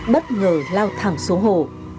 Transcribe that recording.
bất ngờ lau thẳng xuống hồ